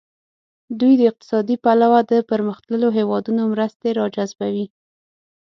دوی د اقتصادي پلوه د پرمختللو هیوادونو مرستې را جذبوي.